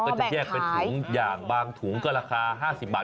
ก็จะแยกเป็นถุงอย่างบางถุงก็ราคา๕๐บาท